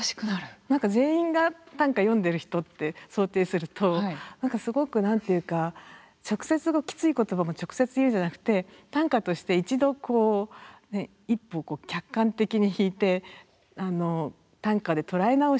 全員が短歌詠んでる人って想定すると何かすごく何て言うか直接きつい言葉も直接言うんじゃなくて短歌として一度こう一歩客観的に引いてあの短歌で捉え直して表現するとちょっと柔らかくなったり。